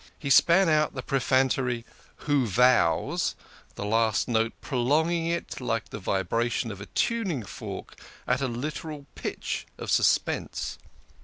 He span out the prefatory "Who vows" the last note prolonging itself, like the vibration of a tuning fork, at a literal pitch of suspense.